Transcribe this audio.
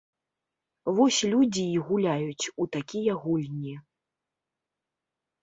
Вось людзі і гуляюць у такія гульні.